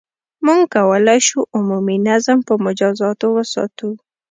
• موږ کولای شو، عمومي نظم په مجازاتو وساتو.